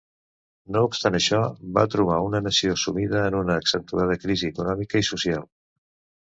No obstant això, va trobar una nació sumida en una accentuada crisi econòmica i social.